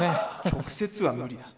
「直接は無理だ。